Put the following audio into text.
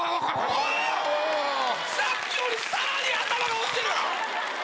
さっきよりさらに頭が落ちる。